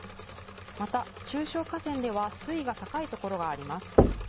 また中小河川では水位が高い所があります。